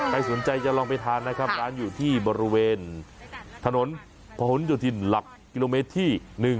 ใครสนใจจะลองไปทานนะครับร้านอยู่ที่บริเวณถนนพะหนโยธินหลักกิโลเมตรที่๑๒